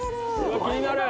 気になる！